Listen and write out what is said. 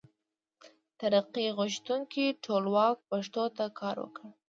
ترقي غوښتونکي ټولواک پښتو ته کار وکړ.